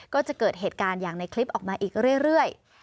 ก็จะเกิดเหตุการณ์อย่างในคลิปออกมาอีกเรื่อย